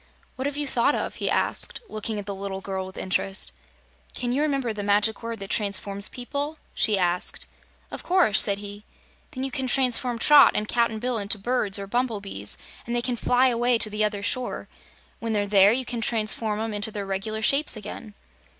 "What have you thought of?" he asked, looking at the little girl with interest. "Can you remember the Magic Word that transforms people?" she asked. "Of course," said he. "Then you can transform Trot and Cap'n Bill into birds or bumblebees, and they can fly away to the other shore. When they're there, you can transform 'em into their reg'lar shapes again!"